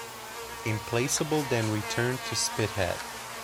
"Implacable" then returned to Spithead.